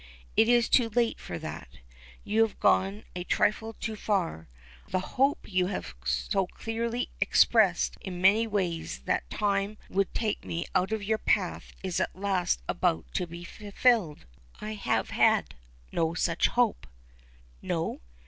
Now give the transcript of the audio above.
It is too late for that. You have gone a trifle too far. The hope you have so clearly expressed in many ways that time would take me out of your path is at last about to be fulfilled." "I have had no such hope." "No!